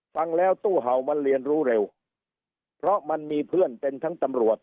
ฟังแล้วตู้เห่ามันเรียนรู้เร็วเพราะมันมีเพื่อนเป็นทั้งตำรวจ